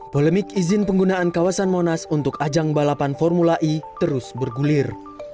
polemik izin penggunaan kawasan monas untuk ajang balapan formula e terus bergulir